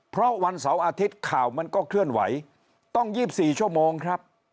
เพราะวันเสาร์อาทิตย์ข่าวมันก็เคลื่อนไหวต้อง๒๔ชั่วโมงครับ